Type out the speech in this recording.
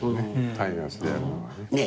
タイガースでやるのはね。